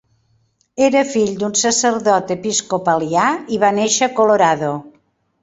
Era fill d'un sacerdot episcopalià i va néixer a Colorado.